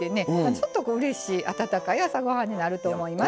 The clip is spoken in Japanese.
ちょっとうれしい温かい朝ごはんになると思います。